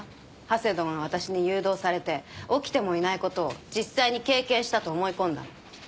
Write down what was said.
ハセドンは私に誘導されて起きてもいないことを実際に経験したと思い込んだの。